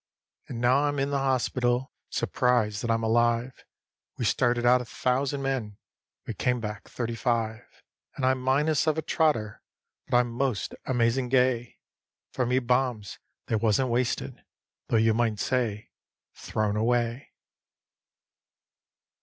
And now I'm in the hospital, surprised that I'm alive; We started out a thousand men, we came back thirty five. And I'm minus of a trotter, but I'm most amazin' gay, For me bombs they wasn't wasted, though, you might say, "thrown away".